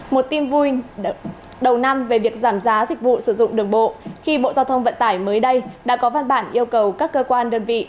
một tin vui đầu năm về việc giảm giá dịch vụ sử dụng đường bộ khi bộ giao thông vận tải mới đây đã có văn bản yêu cầu các cơ quan đơn vị